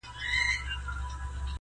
• خبردار چي نوم د قتل څوك ياد نه كړي -